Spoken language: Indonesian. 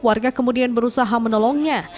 warga kemudian berusaha menolongnya